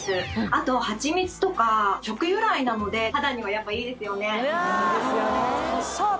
あとハチミツとか食由来なので肌にはやっぱいいですよねさあ